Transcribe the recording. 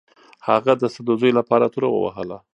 هغه د سدوزیو لپاره توره ووهله.